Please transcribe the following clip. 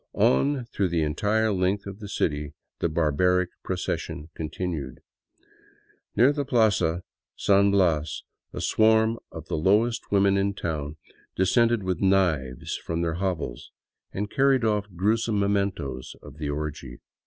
On through the entire length of the city the barbaric procession continued. Near the Plaza San Bias a swarm of the lowest women in town descended with knives from their hovels and carried ofif gruesome mementoes of the orgy.